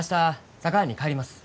佐川に帰ります。